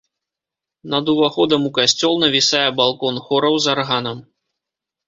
Над уваходам у касцёл навісае балкон хораў з арганам.